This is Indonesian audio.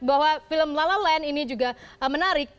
bahwa film la la land ini juga menarik